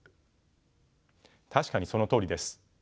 確かにそのとおりです。